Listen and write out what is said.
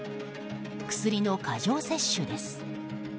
薬の過剰摂取です。